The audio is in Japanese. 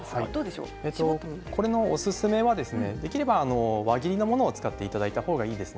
これのおすすめはできれば輪切りのものを使っていただいた方がいいです。